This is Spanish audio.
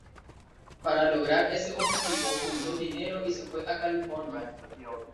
Para lograr ese objetivo juntó dinero y se fue a California.